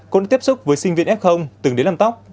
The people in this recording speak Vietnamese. cũng đã tiếp xúc với sinh viên f từng đến làm tóc